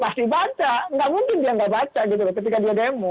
pasti baca dengan teliti